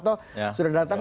mas sabto sudah datang